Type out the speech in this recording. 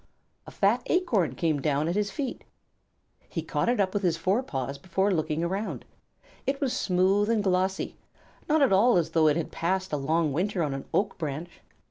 a fat acorn came down at his feet. He caught it up with his forepaws before looking around. It was smooth and glossy, not at all as though it had passed a long winter on an oak branch.